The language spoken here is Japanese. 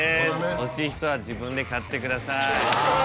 欲しい人は自分で買ってください。